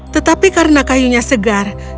tetapi karena kayunya segar